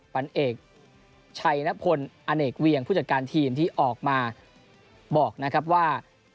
ปันเอกชัยนพลอเนกเวียงผู้จัดการทีมที่ออกมาบอกนะครับว่า